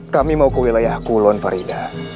kami mau ke wilayah kulon farida